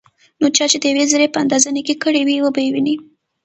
نو چا چې دیوې ذرې په اندازه نيکي کړي وي، وبه يې ويني